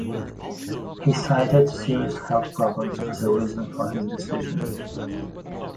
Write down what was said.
He cited serious health problems as a reason for his decision.